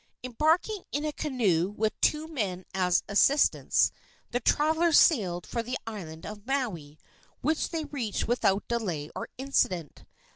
Embarking in a canoe with two men as assistants, the travelers sailed for the island of Maui, which they reached without delay or accident.